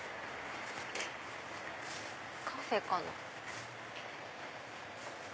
カフェかな。